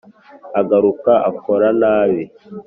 agakura akora nabi